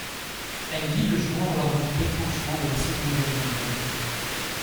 Elle vit le jour lors du déclenchement de la Seconde Guerre mondiale.